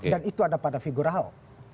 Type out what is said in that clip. dan itu ada pada figur ahok